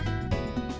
điều gì của huyện tien